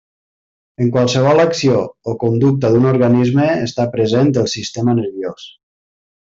En qualsevol acció o conducta d'un organisme està present el sistema nerviós.